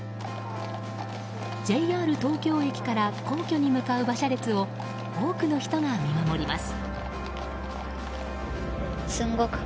ＪＲ東京駅から皇居に向かう馬車列を多くの人が見守ります。